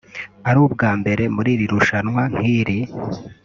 ari ubwa mbere muri iri rushanwa nk’iri